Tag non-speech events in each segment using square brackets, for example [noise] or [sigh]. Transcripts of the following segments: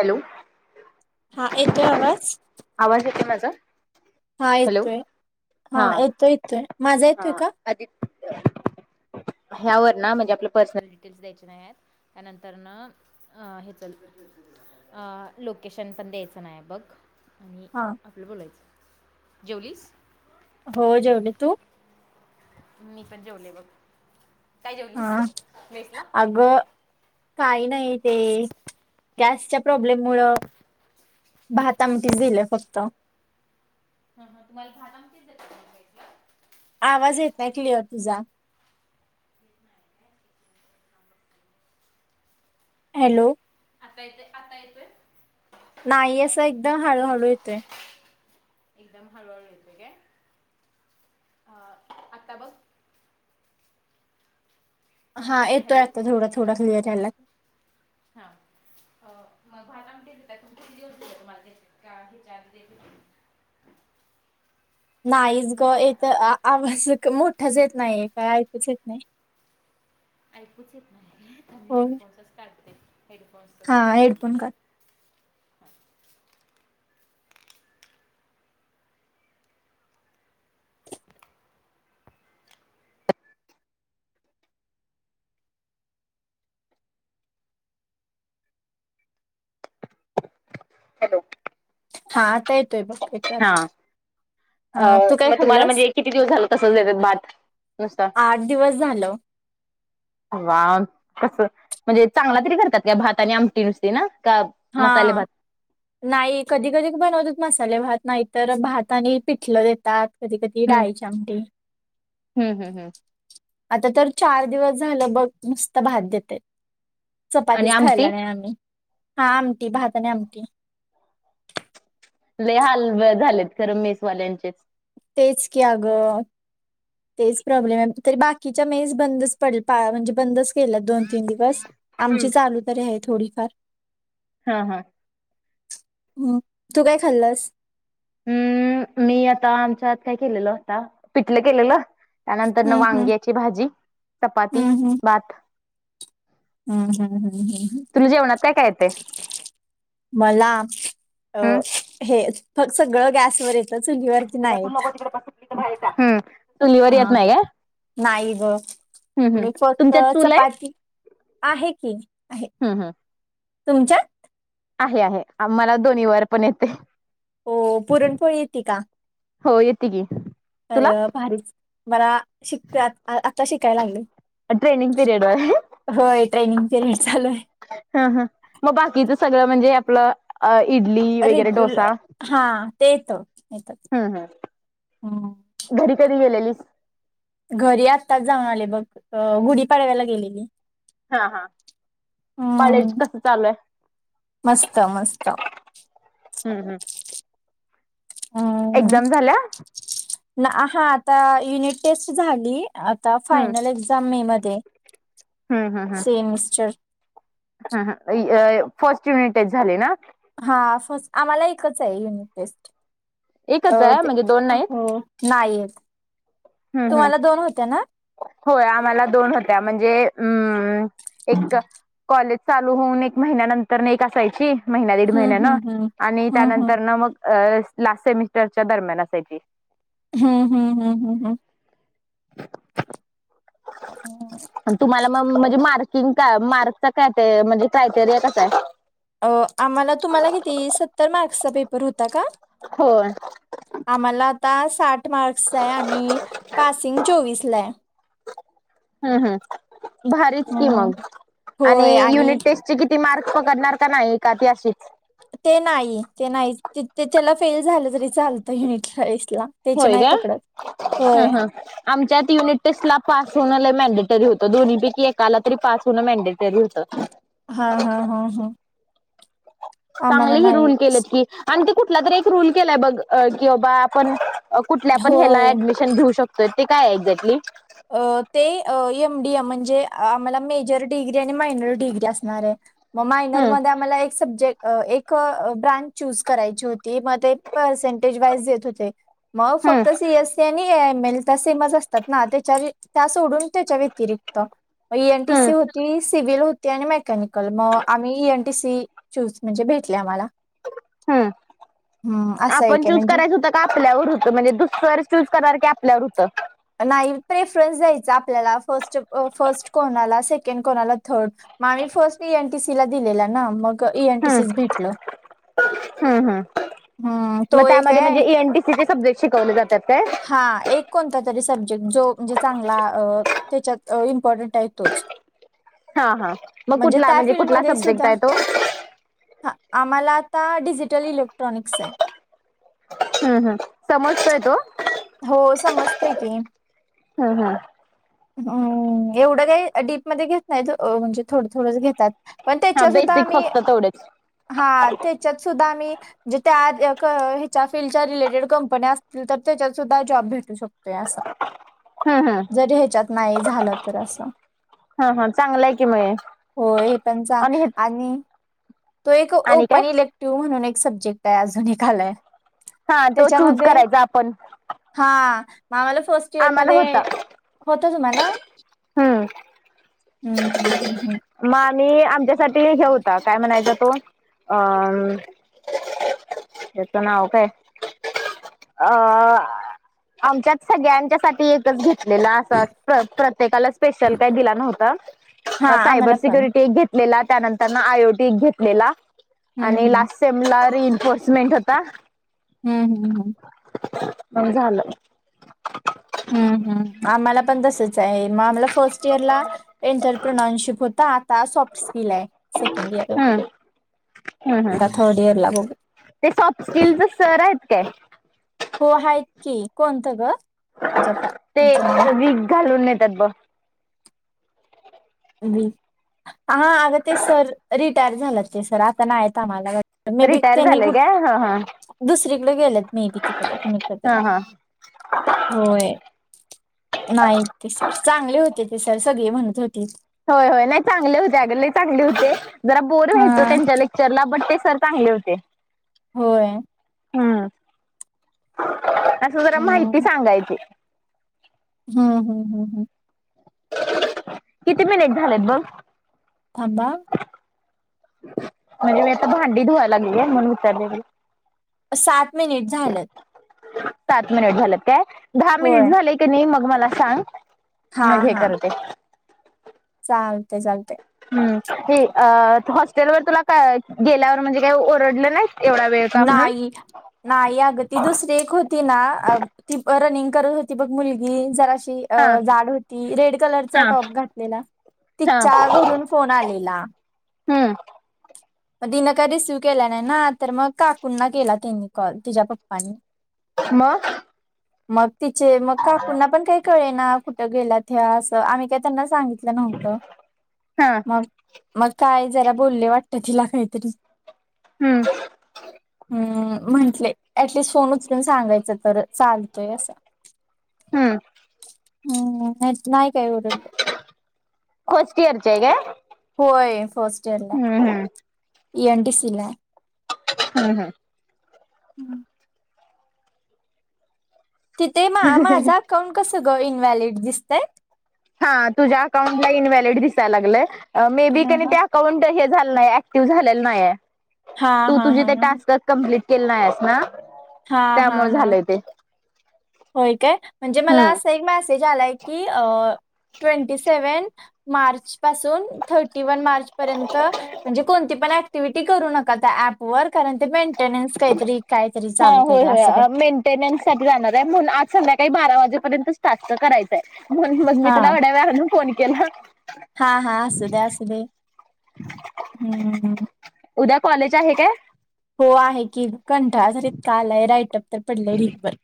Hello हा येतोय आवाज आवाज येतोय माझा हा हॅलो येतोय हा येतोय येतोय माझा येतोय का यावर ना म्हणजे आपलं पर्सनल डिटेल्स द्यायचे नाहीएत. त्यानंतरन हा हे चालू कर अ लोकेशन पण द्यायचं न्हाय बघ हा! नाही बोलायचं, जेवलीस? हो‌ जेवले, तु? मी पण जेवले बघ, काय जेवलीस हा मेसला? अगं काही नाही ते गॅसच्या प्रॉब्लेममुळ भात आमटीच दिलं फक्त. हा हा तुम्हाला भात आमटीच देतात का मेसला? आवाज येत नाही क्लिअर तुझा! हॅलो! आता येतोय आता येतोय? नाही असं एकदम हळूहळू येतोय. एकदम हळूहळू येतोय काय, अ आता बघ? हा येतोय आता थोडा थोडा क्लिअर यालाय. हा! मग भात आमटी देतात किती दिवस देतात तुम्हाला त्या ह्यांच्या मध्ये नाहीच ग येत आवाज मोठाच येत नाही काय ऐकूच येत नाही. ऐकूच येत नाही त होय. हेडफोनसच काढते हेडफोनसच हा प्रॉब्लेम हाय. हेडफोन काढ हॅलो! हा आता येतोय बघ येतो आता. अ हा तू काय म तुम्हांला खाल्लंस? म्हणजे किती दिवस झाल तसंच देतात भात? नुसता आठ दिवस झालं. अवा कसं म्हणजे चांगला तरी करतात भात आणि आमटी नुसती ना का मसाले हा! भात नाही कधी कधी बनवतात मसाले भात नाही तर भात आणि पिठलं देतात. कधी कधी हम्म डाळीची आमटी हम्म हम्म हम्म आता तर चार दिवस झालं बघ नुस्त भात देतंय आणि चपातीच आमटी खायला नाही आम्ही. हा आमटी भात आणि आमटी. लय हाल झालेत खरं मेस वाल्यांचेच. ते की अगं! तेच प्रॉब्लेम आहे तरी बाकीच्या मेस बंदच पडल म्हणजे बंदच केल्यात दोन तीन दिवस आमची हम्म. चालू तरी हाय थोडीफार हा हा! मग काय खाल्लस? हम्म, मी आता आमच्यात काय केलेलं आता पिठलं केलेलं त्यानंतरन हम्म हम्म वांग्याची भाजी चपाती हम्म हम्म भात हम्म हम्म हम्म हम्म! तुला जेवणात काय काय येते मला अ हम् हे फक् सगळं गॅसवर ये [unintelligible] येत हा नाही का नाही ग हम् हम् मी फक्त तुमच्यात चूल आहे चपाती आहे की आहे, हम् हम् तुमच्यात? आहे आहे आम्हाला दोन्ही वर पण येत. हो, पुरणपोळी येती का? हो, येती की? तुला अरे वा भारीच, मला शिकते आ आत्ता शिकायला लागले. ट्रेनिंग पिरियड वर होय, ट्रेनिंग पिरियड चालूय. हं हं मग बाकीच सगळं म्हणजे आपलं अ, इडली वगैरे डोसा रेग्युलर हा ते येत येतं. हम्म हम् [unintelligible] घरी कधी गेलेलीस? घरी आत्ताच जाऊन आले बघ. अं गुढी पाडव्याला गेलेली. हा हा. कॉलेज हम्म. कस चालूय? मस्त मस्त हम्म हम्म. हम्म. एक्झाम झाल्या? ना हा आता युनिट टेस्ट झाली. आता हम्म फायनल एक्झाम मे मध्ये सेमिस्टर. हा हा अं फर्स्ट युनिट झाली ना? हा फर्स्ट. आम्हाला एकचाय युनिट टेस्ट एकच आहे ते, म्हणजे दोन नाहीत? हो. नाहीये, हम्म हम्म तुम्हाला दोन होत्या ना? होय, आम्हाला दोन होत्या म्हणजे एक कॉलेज चालू होऊन एक महिन्यानंतर न एक असायची. महिन्या, दीड हम्म महिन्यान हम्म हम्म. आणि हम्म त्यानंतर हम्म. ना मग अं लास्ट सेमिस्टरच्या दरम्यान असायची. हं हं हं हं हं. [inaudible] तुम्हाला म्हणजे मार्किंग का मार्कचा काय म्हणजे क्रायटेरिया कसा आहे? अ आम्हाला तुम्हाला किती सत्तर मार्क्सचा पेपर होता का? होय आम्हाला आता साठ मार्क्सचाय आणि पासिंग चोवीसलाय. हम्म हं, भारीच की हम्म. मग आणि युनिट टेस्ट चे किती मार्क पकडणार? का नाही का ते अशीच? ते नाही ते नाही त्याच्याला फेल झालं तरी चालतंय युनिट टेस्टला. होय का? हं हं. आमच्यात युनिट टेस्ट ला पास होण लई मॅडेटरी होतं. दोन्ही पैकी एकाला तरी पास होणं मॅनडेटरी होतं. हा हा हा हा. आम्हाला चांगले ही नाही रूल केलेत की आणि ते कुठला तरी एक रूल केलाय बघ की, बाबा आपण कुठल्या पण हेला होय. ऍडमि मिशन घेऊ शकतोय ते काये एक्झॅक्टली? ते अ एम डी एम म्हणजे आम्हाला मेजर डिग्री आणि मायनर डिग्री असणार आहे, मग हम्म मायनरमध्ये आम्हाला एक सब्जेक्ट एक ब्रांच चूज करायची होती, मग ते पर्सेंटेज वाइज देत होते. मग हम्म फक्त सी एस सी आणि एम एल त सेमच असतात ना ते त्या सोडून त्याच्या व्यतिरिक्त एन टी सी हम्म होती. सिव्हिल होती आणि मेकॅनिकल, मग आम्ही E N T C choose म्हणजे भेटले आम्हाला. हं हम्म असं आपण एक आहे चूज म्हणजे करायच होत का आपल्यावर होतं? म्हणजे दु सर चूज करणार की? आपल्यावर होतं? नाही प्रेफरन्स द्यायच. आपल्याला फर्स्ट फर्स्ट कोणाला, सेकंड कोणाला, थर्ड म आम्ही फर्स्ट एनटीसीला दिलेला ना, मग इ हम्म एनटीसीस भेटलं,, हम्म हम्म हम्म तो एक हाय तिथे सब्जेक्ट शिकवले जात्यात काय? हा, एक कोणता तरी सब्जेक्ट जो म्हणजे चांगला अ त्याच्यात इम्पॉर्टंट आहे तोच. हा हा, मग कुठला म्हणजे कुठला सब्जेक्ट आहे तो? हं, आम्हाला आता डिजिटल इलेक्ट्रॉनिक्स आहे. हम्म हम्म, समजतोय तो? हो समजतोय की. हां हां. हम्म, एवढं काही डीपमध्ये घेत नाहीत, म्हणजे थोडं थोडंच घेतात. पण हा त्याच्या सुद्धा बेसिक आमी,, फक्त तेवढेच हा त्याच्यात सुद्धा आम्ही म्हणजे त्या ह्याच्या फीलडच्या रिलेटेड कंपन्या असतील तर त्याच्यात सुद्धा जॉब भेटू शकतोय असं. हं हं तरी ह्याच्यात नाही झालं तर असं हा हा चांगला आहे की मग हो हे पण सांग आणि तो एक आणि काय ओपन इलेक्टिव्ह म्हणून एक सब्जेक्ट आहे, अजून एक आलाय. हा तो चूज त्याच्यामध्ये करायचा आपण. हा, म आमाला फर्स्ट इयर आम्हाला मध्ये, होता होतं तुम्हाला हम्म हम्म हम् हम्म हम्म मग आम्ही आमच्यासाठी हे होता, काय म्हणायचा तो अ हेचं नाव काय अ आमच्यात सगळ्यांच्या साठी एक घेतलेला असाच, प्रत्येकाला स्पेशल काय दिला नव्हतं, हा अ सायबर आम्हाला पण सिक्युरिटीच एक घेतलेला त्यानंतरनं आयोटिक घेतलेला, हम्म आणी हम्म लास्ट समला रि एनफोर्समेंट होता हम्म हम्म हम्म मग झालं. हम्म हम्म आम्हाला पण तसच आहे, मग आम्हाला फर्स्ट इयरला एंटरप्रनानशिप होता आता सॉफ्ट स्किल आहे. सेकेंड ईयर, हम्म हम्म हम्म आता थर्ड इयरला बघु ते सॉफ्ट स्किलच सर आहेत काय? हो आहेत की,, कोणतं ग? जता ते त्यांचं नाव वीग घालून येत्यात बग हा अग ते सर, रिटायर झालेत ते सर, आता नाही येत आम्हाला. मे बी रिटायर त्यांनी झालंय कुठ, काय ह ह दुसरीकडे गेलंत मे बी त तिकडं कुणीकं ह तरी. ह होय,, नाहीत ते सर, चांगले होते ते सर सगळे म्हणत होते. होय होय नाही चांगले होते अग लय चांगले होते, जरा बोर हा व्हायच़ त्यांच्या लेक्चर चर्ला बट ते सर चांगले होते. होय. हं, असं जरा माहिती हम्म सांगायची. हम्म हम्म हम्म किती मिनिट झालेत बघ? थांबा म्हणजे मी आता भांडी धुवा लागलीये म्हणून विचारलेली. सात मिनिटं झाल्यात. सात मिनिटं झाल्यात काय! दहा होय मिनिटं झालेयं कनी मग मला सांग मग हे करत [inaudible] चालतंय चालतंय. हुं हें अं हॉस्टेलवर तुला का गेल्यावर म्हणजे काय ओरडले नायीत? नायी नायी अगं ती दुसरी एक हो ती नां ती रनिंग करत होती बघ मुलगी जराशी हा अं जाड होती रेड कलरचा हा टॉप घातलेला हा तिच्या घरून फोन आलेला. हुं. म तिनं काय रिसीव केला नायी नां तर मग काकूंना केला त्यांनी कॉल तिच्या पप्पांनी. म? मग तिचे मग काकूंना पण काय कळे नां कुठं गेलात ह्या असं आम्ही काय त्यांना सांगि तल नव्हतं हा मग मग काय जरा बोलें वाटत तिला काहीतरी हुं. हुं म्हंटले ऍटलिस्ट फोन उचलून सांगायचं तर चालतयं असं. हुं. हुं नीयीत नाय काय ओरडले. खोजकीयरची हाय काय? होय फर्स्ट इयरयं. हुं हुं. एन डी सी ला हुं हुं. हम्म. तिथे मां माझं अकाऊंट कसं गं इनव्हॅलिड दिसतयं? हां तुझ्या अकाउंटला इनव्हॅलिड दिसाय लागलंय मे बी हा कनी त्या काउंट हें झालं नायायं ऍक्टिव्ह झालेलं नायायं हा तू हा तुझी हा ते टास्क कंप्लीट केलं नायास नां हा हा हा त्यामुळे हा झालंय ते. होय काय? म्हणजे मला हम्म असा एक मेसेज आलाय की ट्वेंटी सेव्हन मार्च पासून थर्टी वन मार्च पर्यंत म्हणजे कोणती पण एक्टिव्हिटी करू नका त्या ॲप वर कारण ते मेंटेनन्स काहीतरी काहीतरी चालू केलय असं काय. अेंडन्स साठी जाणारयं म्हणून आज संध्याकाळी बारा वाजेपर्यंतच टास्क करायचंय असयं म्हणून मग मी तुला एवढ्या वेळानं फोन केला. हां हां असुदे असुदे हुं. उद्या कॉलेज आहे काय? हों आहे की कंटाळा तर इतका आलाय राईट अप तर पडलयं ढीगभर.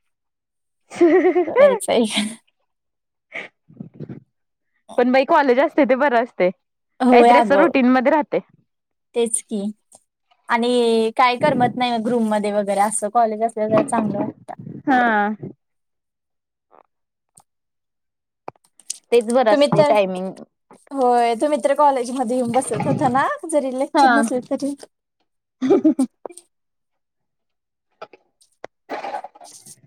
[inaudible] व्हय काय? पण बाई कॉलेज असतयं ते बरं असतयं. होय आगं तेच की. आणि काय करमत नायी रूममध्ये वगैरे असं कॉलेज आसंल तर चांगलं वाटतं. हां. तेच बरं तुम्ही असते तर टायमिंग होय तुम्ही तर कॉलेज मध्ये येऊन बसत होता ना जरी लेक्चर हा नसलं तरी? [inaudible] [inaudible]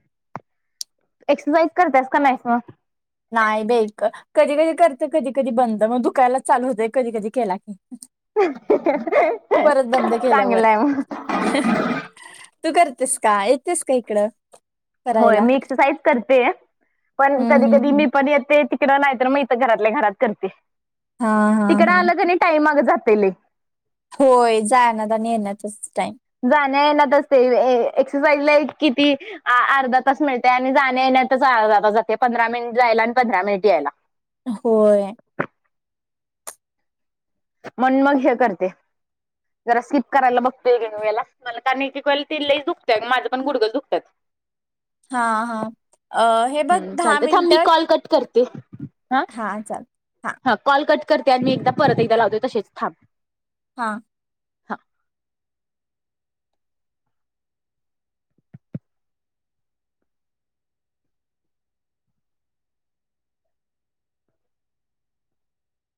एक्सरसाईज करतास का नाहीस मग? नाही बाई इतकं कधी कधी करते कधी कधी बंद मग दुकायलाच चालू होतय कधी कधी केला की. परत बंद केल्यावरर. चांगलंय मग तू करतेस का येतस का इकडं? होय करायला मी एक्सरसाईज करते, पण हम्म कधी हम्म कधी हम्म मी पण येते तिकड नाही तर मग इथं घरातल्या घरात करते, हा हा तिकड हा आलं की नाय टाईम अंग जातय लय. होय जाण्यात आणि येण्यातच टाईम जाण्यात येण्यात ते ऐ एक्ससाइज ला किती? अर्धा तास मिळतेय आणि जाण्यात येण्यातच अर्धा तास जाते पंधरा मिनिट जायला आणि पंधरा मिनिट यायला. होय. मनुन मग हे करते. जरा स्लिप करायला बघतोय वेळेला मला कारण ते एक एक वेळेला ते लयच दुखतंय माझं पण गुडघेच दुखतंय. हां हां हे बघ हम्म, दहा चालत थांब मी कॉल कट करते. ते, हा. हा चाल हा कॉल कट करते आणि मी एकदा परत एकदा लावते तशीच थांब. हा.